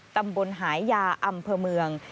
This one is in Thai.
ตำบลหายาอำเภอเมือง